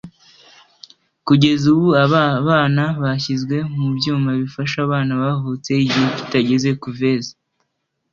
Kugeza ubu aba bana bashyizwe mu byuma bifasha abana bavutse igihe kitageze (couveuse)